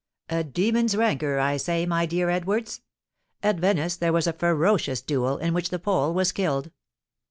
"A demon's rancour, I say, my dear Edwards! At Venice there was a ferocious duel, in which the Pole was killed.